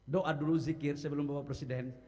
doa dulu zikir sebelum bapak presiden